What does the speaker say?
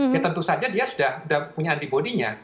ya tentu saja dia sudah punya antibody nya